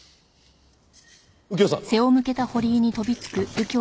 右京さん！